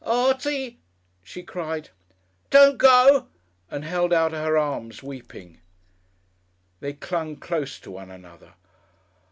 "Artie!" she cried, "don't go!" and held out her arms, weeping. They clung close to one another....